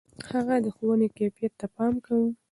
هغه د ښوونې کيفيت ته پام کاوه.